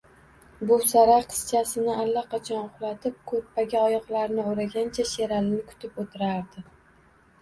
Buvsara qizchasini allaqachon uxlatib, ko`rpaga oyoqlarini o`ragancha Sheralini kutib o`tirardi